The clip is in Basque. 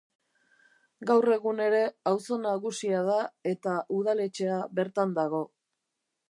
Gaur egun ere auzo nagusia da eta udaletxea bertan dago.